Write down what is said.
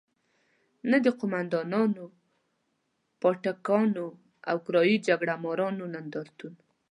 نه د قوماندانانو، پاټکیانو او کرايي جګړه مارانو نندارتون.